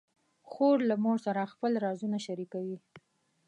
خور له مور سره خپل رازونه شریکوي.